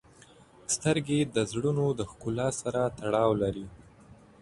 • سترګې د زړونو د ښکلا سره تړاو لري.